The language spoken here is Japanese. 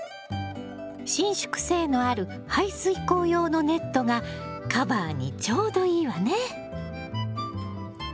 伸縮性のある排水口用のネットがカバーにちょうどいいわね。